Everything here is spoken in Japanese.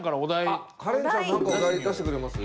あっカレンちゃん何かお題出してくれます？